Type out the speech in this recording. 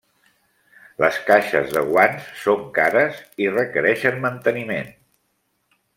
Les caixes de guants són cares i requereixen manteniment.